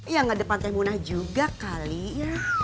ya nggak ada pantai munah juga kali ya